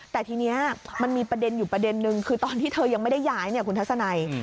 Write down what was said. แต่ทีนี้มันมีประเด็นอยู่ประเด็นนึงคือตอนที่เธอยังไม่ได้ย้ายเนี่ยคุณทัศนัย